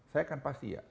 saya kan pasti ya